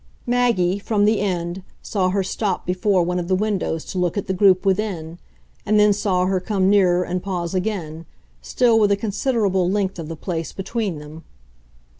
Maggie, from the end, saw her stop before one of the windows to look at the group within, and then saw her come nearer and pause again, still with a considerable length of the place between them.